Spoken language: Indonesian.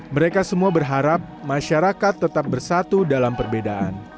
mereka semua berharap masyarakat tetap bersatu dalam perbedaan